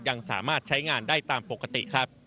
ยังสามารถใช้งานได้ตามปกติครับ